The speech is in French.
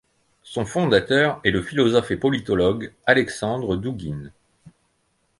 Son fondateur est le philosophe et politologue Alexandre Douguine.